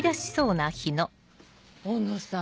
尾野さん